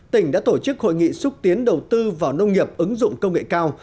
tỉnh đã tổ chức hội nghị xúc tiến đầu tư vào nông nghiệp ứng dụng công nghệ cao